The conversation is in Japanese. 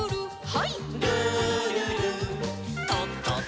はい。